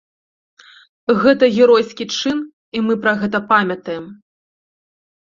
Гэта геройскі чын і мы пра гэта памятаем.